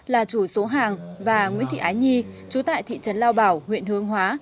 là chủ số hàng và nguyễn thị ái nhi chú tại thị trấn lao bảo huyện hương hóa